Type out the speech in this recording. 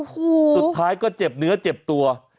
สุดท้ายก็เจ็บเนื้อเจ็บตัว